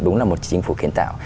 đúng là một chính phủ kiến tạo